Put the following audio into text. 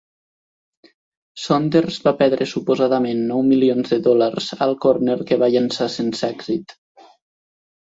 Saunders va perdre suposadament nou milions de dòlars al corner que va llençar sense èxit.